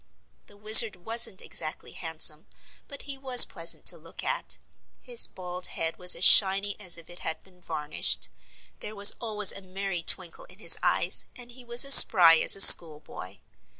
The Wizard wasn't exactly handsome but he was pleasant to look at. His bald head was as shiny as if it had been varnished; there was always a merry twinkle in his eyes and he was as spry as a schoolboy.